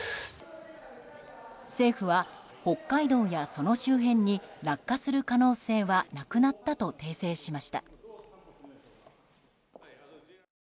政府は北海道やその周辺に落下する可能性はなくなったと訂正しました。